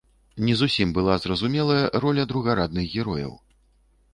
Не зусім была зразумелая роля другарадных герояў.